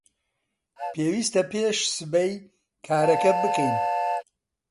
پێویستە پێش سبەی کارەکە بکەین.